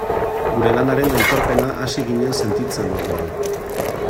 Gure lanaren aitorpena hasi ginen sentitzen orduan.